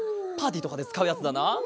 パーティーとかでつかうやつだな。